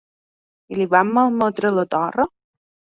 I li van malmetre la torra?